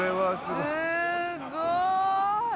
すごい！